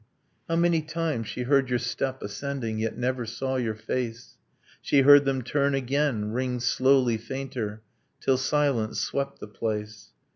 How many times she heard your step ascending Yet never saw your face! She heard them turn again, ring slowly fainter, Till silence swept the place.